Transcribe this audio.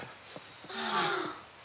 ああ。